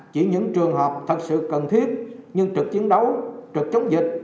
chỉ những trường hợp thật sự cần thiết như trực chiến đấu trực chống dịch